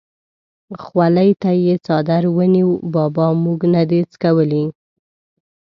خولې ته یې څادر ونیو: بابا مونږ نه دي څکولي!